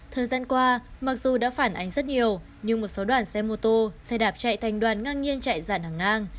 thời gian qua mặc dù đã phản ánh rất nhiều nhưng một số đoàn xe mô tô xe đạp chạy thành đoàn ngang nhiên chạy dàn hàng ngang